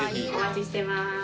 お待ちしてます。